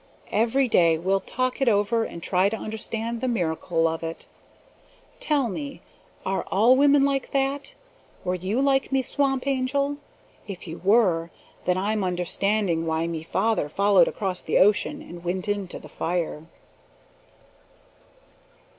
Every day we'll talk it over and try to understand the miracle of it. Tell me, are all women like that? Were you like me Swamp Angel? If you were, then I'm understanding why me father followed across the ocean and went into the fire."